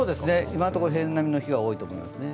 今のところ平年並みの日が多いですね。